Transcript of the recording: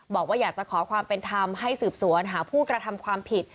บอกว่าอยากจะขอความเป็นธรรมให้สืบสวนหาผู้กระทำความผิด